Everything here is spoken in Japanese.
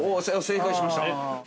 ◆正解しました。